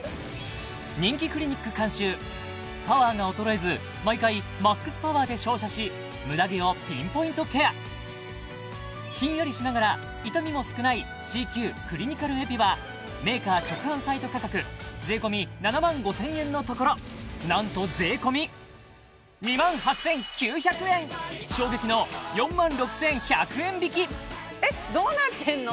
人気クリニック監修パワーが衰えず毎回ＭＡＸパワーで照射しムダ毛をピンポイントケアひんやりしながら痛みも少ないＣＱクリニカルエピはメーカー直販サイト価格税込７万５０００円のところなんと税込衝撃の４万６１００円引きえっどうなってんの？